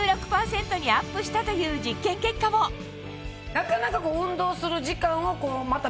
なかなか。